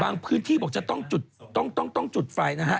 บางพื้นที่บอกจะต้องจุดไฟนะฮะ